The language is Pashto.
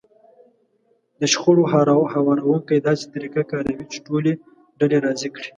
د شخړو هواروونکی داسې طريقه کاروي چې ټولې ډلې راضي کړي.